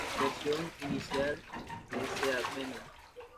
Versión inicial del Sea Venom.